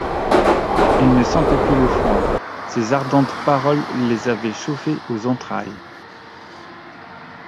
Ils ne sentaient plus le froid, ces ardentes paroles les avaient chauffés aux entrailles.